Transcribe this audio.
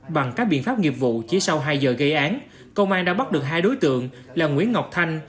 bằng các biện pháp nghiệp vụ chỉ sau hai giờ gây án công an đã bắt được hai đối tượng là nguyễn ngọc thanh